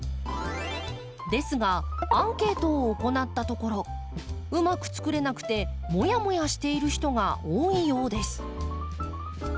ですがアンケートを行ったところうまくつくれなくてモヤモヤしている人が多いようです。